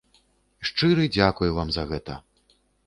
Шчыры дзякуй вам за гэта!